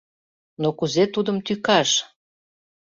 Но кузе тудым тӱкаш?